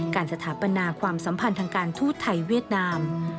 สถาปนาความสัมพันธ์ทางการทูตไทยเวียดนาม